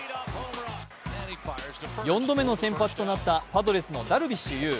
４度目の先発となったパドレスのダルビッシュ有。